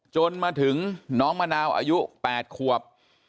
จนมาถึงน้องมะนาวอายุ๘ขวบ